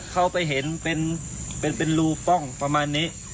เขาไปเห็นเป็นรูป้องประมาณนี้